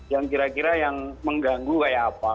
yang kira kira yang mengganggu kayak apa